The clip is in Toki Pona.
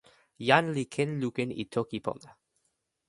jan li ken lukin e toki pona.